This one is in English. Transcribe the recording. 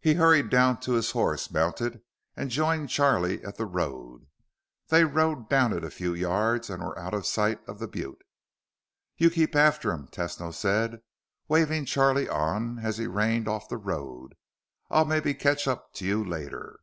He hurried down to his horse, mounted, and joined Charlie at the road. They rode down it a few yards and were out of sight of the butte. "You keep after him," Tesno said, waving Charlie on as he reined off the road. "I'll maybe catch up to you later."